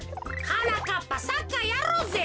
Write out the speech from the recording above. はなかっぱサッカーやろうぜ。